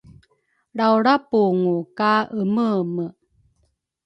Lrawlrapungu ka emeeme